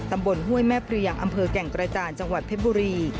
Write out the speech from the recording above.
ตำบลห้วยแม่พรียังอำเภอแก่งกระจานจังหวัดเพฟบุรี